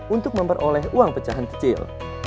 untuk memperoleh uang pecahan kecil